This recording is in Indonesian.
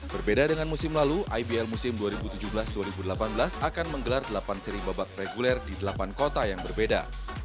berbeda dengan musim lalu ibl musim dua ribu tujuh belas dua ribu delapan belas akan menggelar delapan seri babak reguler di delapan kota yang berbeda